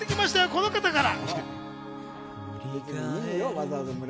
この方から。